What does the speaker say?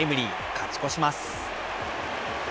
勝ち越します。